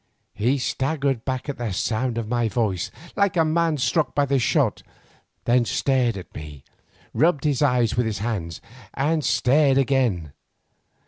_" He staggered back at the sound of my voice, like a man struck by a shot, then stared at me, rubbed his eyes with his hand, and stared again.